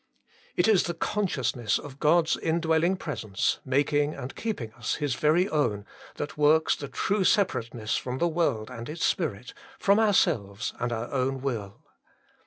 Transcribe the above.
It is the consciousness of God's Indwelling Presence, making and keeping us His very own, that works the true separateness from the world and its spirit, from ourselves and our own will.